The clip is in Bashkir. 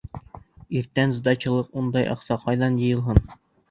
Иртән сдачалыҡ ундай аҡса ҡайҙан йыйылһын!